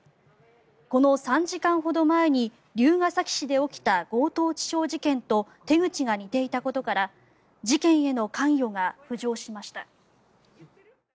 この３時間ほど前に龍ケ崎市で起きた強盗致傷事件と手口が似ていたことから事件への関与が浮上しました。